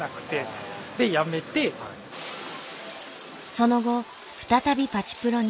その後再びパチプロに。